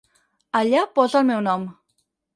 Allà posa el meu nom!